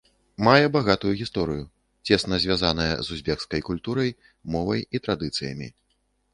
Мае багатую гісторыю, цесна звязаная з узбекскай культурай, мовай і традыцыямі.